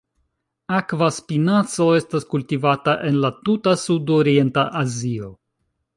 Akva spinaco estas kultivata en la tuta sudorienta Azio.